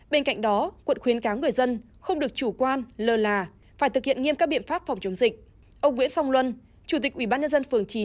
bên cạnh đó quận khuyến cáo người dân không được chủ quan lờ là phải thực hiện nghiêm các biện pháp phòng chống dịch